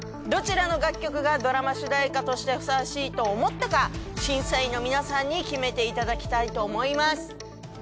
どちらの楽曲がドラマ主題歌としてふさわしいと思ったか審査員の皆さんに決めていただきたいと思います。